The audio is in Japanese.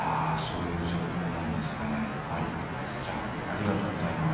アールちゃんありがとうございます。